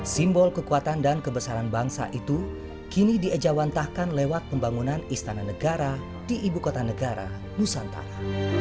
simbol kekuatan dan kebesaran bangsa itu kini diajawantahkan lewat pembangunan istana negara di ibu kota negara nusantara